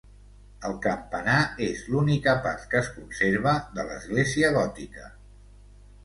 El campanar és l'única part que es conserva de l'església gòtica.